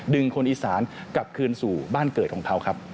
คนอีสานกลับคืนสู่บ้านเกิดของเขาครับ